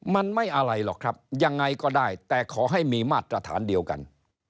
มันไม่อะไรหรอกครับยังไงก็ได้แต่ขอให้มีมาตรฐานเดียวกัน